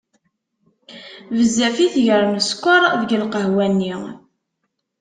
Bezzaf i tger n sskeṛ deg lqahwa-nni.